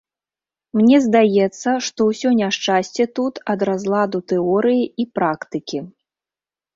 Мне здаецца, што ўсё няшчасце тут ад разладу тэорыі і практыкі.